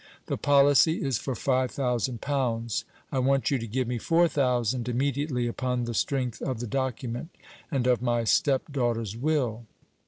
The policy is for five thousand pounds. I want you to give me four thousand immediately upon the strength of the document and of my stepdaughter's will."